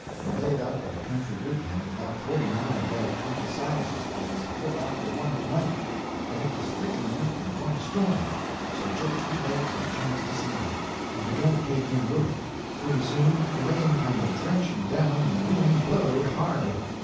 We laid up at a country woodyard about forty mile above Uncle Silas's place a little after one at night, and it was thickening up and going to storm. So Jake he laid for a chance to slide. We begun to take in wood. Pretty soon the rain come a drenching down, and the wind blowed hard.